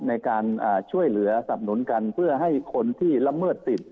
ในการอ่าช่วยเหลือสำนวนกันเพื่อให้คนที่ลำเมิดติด